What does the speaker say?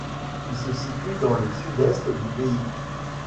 Il se situe dans le sud-est du pays.